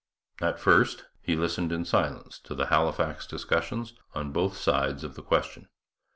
At first he listened in silence to the Halifax discussions on both sides of the question.